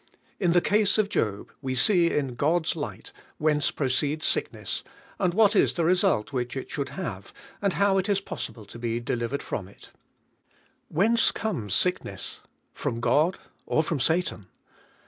In the case of Job, we Bee in God's light, whence proceeds sickness, what is the result which it should have, and how it is possible to be delivered from it. Whence comes sickness; from God or from Satan?